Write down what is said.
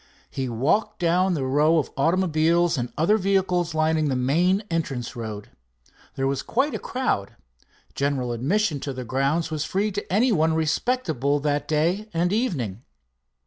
He walked down the row of automobiles and other vehicles lining the main entrance road. There was quite a crowd. General admission to the grounds was free to any one respectable that day and evening.